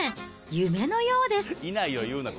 夢のようです。